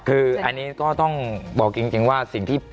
คืออันนี้ก็ต้องบอกจริงว่าสิ่งที่